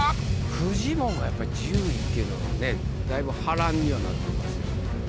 フジモンがやっぱり１０位っていうのがねだいぶ波乱にはなってますよ。